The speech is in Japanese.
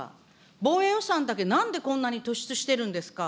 防衛予算だけなんでこんな突出してるんですか。